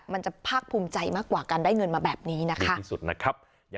มันจะพากภูมิใจมากกว่าการได้เงินมาแบบนี้นะคะ